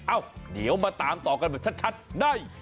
เอ้าเดี๋ยวมาตามต่อกันแบบชัดได้